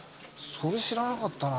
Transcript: それ知らなかったな。